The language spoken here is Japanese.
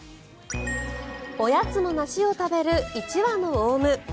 おやつの梨を食べる１羽のオウム。